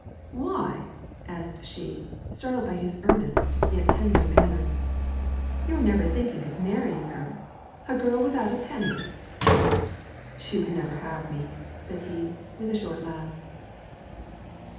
"Why," asked she, startled by his earnest, yet tender manner. "You're never thinking of marrying her? a girl without a penny." "She would never have me," said he, with a short laugh.